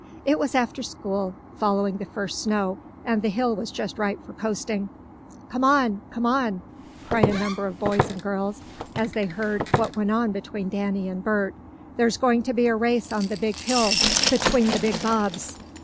It was after school, following the first snow, and the hill was just right for coasting. "Come on! Come on!" cried a number of boys and girls, as they heard what went on between Danny and Bert. "There's going to be a race on the big hill between the big bobs."